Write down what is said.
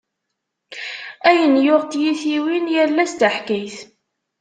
Ayen yuɣ n tiytiwin, yal ass d taḥkayt.